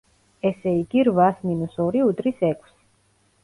ესე იგი, რვას მინუს ორი უდრის ექვსს.